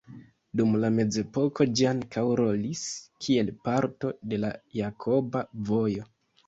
Dum la mezepoko ĝi ankaŭ rolis kiel parto de la Jakoba Vojo.